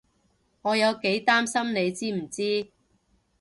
我有幾擔心你知唔知？